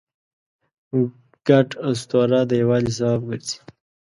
ګډ اسطوره د یووالي سبب ګرځي.